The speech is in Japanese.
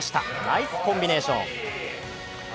ナイスコンビネーション。